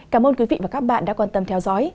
cảm ơn quý vị và các bạn đã quan tâm theo dõi